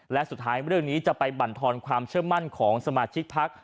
และสุดท้ายเรื่องนี้จะไปบรรทอนความเชื่อมั่นของสมาชิกพัก